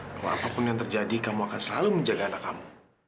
bahwa apapun yang terjadi kamu akan selalu menjaga anak kamu